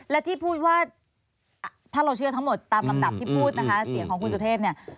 และที่พูดว่าถ้าเราเชื่อทั้งหมดตามลำดับที่พูดนะคะเสียงของคุณสุเทพเนี่ย